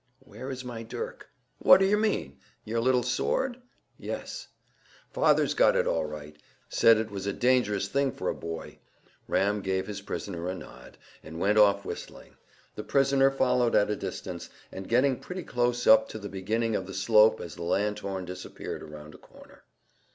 "Where is my dirk?" "What d'yer mean? Your little sword?" "Yes." "Father's got it all right; said it was a dangerous thing for a boy!" Ram gave his prisoner a nod, and went off whistling, the prisoner following at a distance, and getting pretty close up to the beginning of the slope as the lanthorn disappeared round a corner.